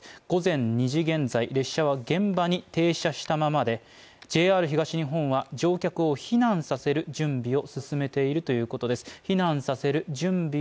午前２時現在、列車は現場に停車したままでＪＲ東日本は乗客を避難させる準備を進めているということです。